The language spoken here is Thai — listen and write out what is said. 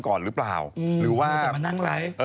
ก่อนหรือเปล่าหรือว่า